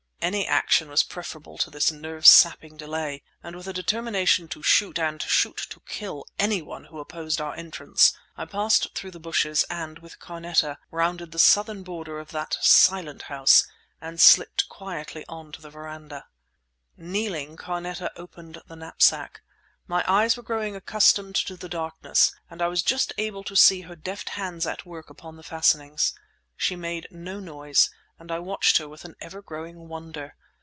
Any action was preferable to this nerve sapping delay, and with a determination to shoot, and shoot to kill, any one who opposed our entrance, I passed through the bushes and, with Carneta, rounded the southern border of that silent house and slipped quietly on to the verandah. Kneeling, Carneta opened the knapsack. My eyes were growing accustomed to the darkness, and I was just able to see her deft hands at work upon the fastenings. She made no noise, and I watched her with an ever growing wonder.